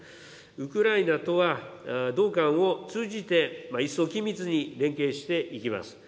ウクライナとは同館を通じて一層緊密に連携していきます。